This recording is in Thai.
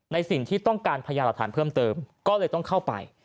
สิ่งที่ต้องการพยานหลักฐานเพิ่มเติมก็เลยต้องเข้าไป